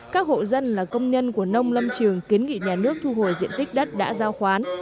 các hộ dân là công nhân của nông lâm trường kiến nghị nhà nước thu hồi diện tích đất đã giao khoán